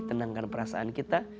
tenangkan perasaan kita